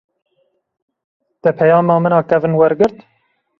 Te peyama min a kevin wergirt?